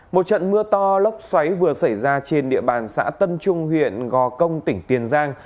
một trận mưa to lốc xoáy vừa xảy ra trên địa bàn xã tân trung huyện gò công tỉnh tiền giang